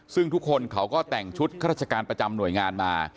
ซึ่งทุกคนเขาก็แต่งชุดข้าราชการประจำหน่วยงานมา